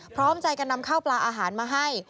พร้อมใจกันนำข้าวปลาอาหารมาให้